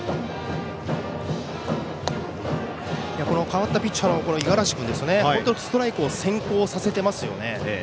代わったピッチャーの五十嵐君ストライクを先行させていますね。